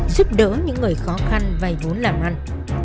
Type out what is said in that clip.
giúp đỡ những người khó khăn vay vốn làm ăn